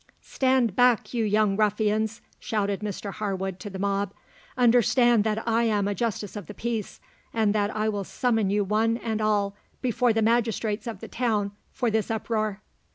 "Stand back, you young ruffians!" shouted Mr Harwood to the mob. "Understand that I am a justice of the peace, and that I will summon you one and all before the magistrates of the town for this uproar."